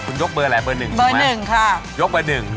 คุณยกเบอร์แหล่าเบอร์๑ใช่ไหม